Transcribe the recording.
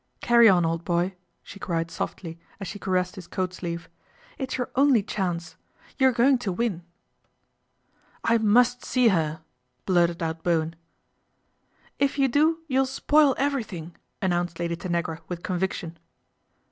" Carry on, old boy," she cried softly, as she caressed his coat sleeve. " It's your only chance. You're going to win." " I must see her !" blurted out Bowen. " If you do you'll spoil everything," announced Lady Tanagra with conviction.